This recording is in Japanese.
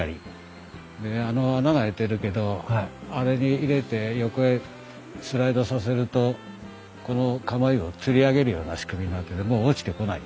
でねあの穴が開いてるけどあれに入れて横へスライドさせるとこのかもいをつり上げるような仕組みになっててもう落ちてこない。